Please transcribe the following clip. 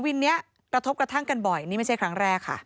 วินนี้กระทบกระทั่งกันบ่อยนี่ไม่ใช่ครั้งแรกค่ะ